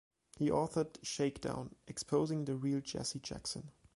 He authored Shakedown: Exposing the Real Jesse Jackson.